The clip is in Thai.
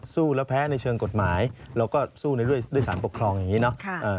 สู้แล้วแพ้ในเชิงกฎหมายเราก็สู้ด้วยสารปกครองอย่างนี้เนาะ